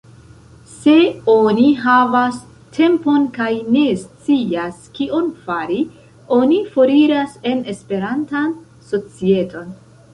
Se oni havas tempon kaj ne scias, kion fari, oni foriras en Esperantan societon.